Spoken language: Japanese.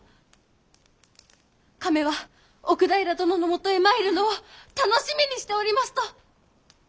亀は奥平殿のもとへ参るのを楽しみにしておりますと！